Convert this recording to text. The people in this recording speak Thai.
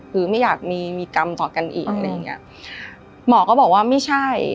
คือไม่อยากมีมีกรรมต่อกันอีกอะไรอย่างเงี้ยหมอก็บอกว่าไม่ใช่